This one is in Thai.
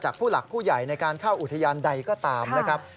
ผู้หลักผู้ใหญ่ในการเข้าอุทยานใดก็ตามนะครับ